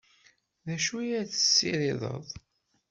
D acu i ad tessirideḍ?